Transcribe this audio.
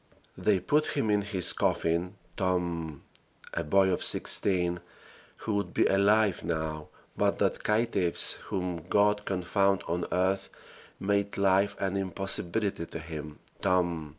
They put him in his coffin ("TOMB!") a boy of sixteen, who would be alive now but that caitiffs, whom God confound on earth, made life an impossibility to him ("TOMB!")